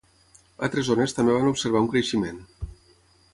Altres zones també van observar un creixement.